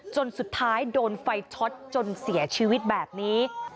จนสุดท้ายโดนไฟช็อตจนเสียชีวิตแบบนี้